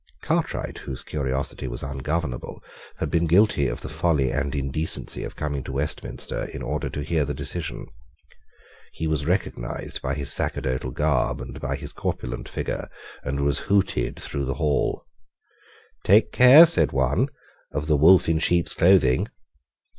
Cartwright, whose curiosity was ungovernable, had been guilty of the folly and indecency of coming to Westminster in order to hear the decision. He was recognised by his sacerdotal garb and by his corpulent figure, and was hooted through the hall. "Take care," said one, "of the wolf in sheep's clothing."